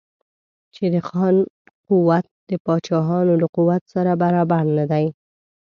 چې د خان قوت د پاچاهانو له قوت سره برابر نه دی.